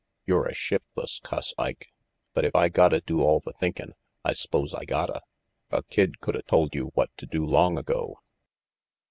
You're a shiftless cuss, Ike, but if I gotta do all the thinkin', I s'pose I gotta. A kid coulda told you what to do long ago."